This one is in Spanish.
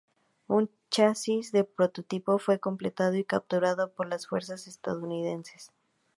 Un chasis de prototipo fue completado y capturado por las fuerzas estadounidenses.